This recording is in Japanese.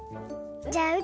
じゃあう